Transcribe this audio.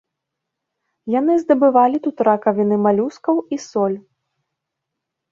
Яны здабывалі тут ракавіны малюскаў і соль.